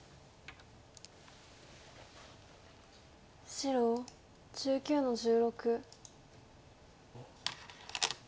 白１９の十六。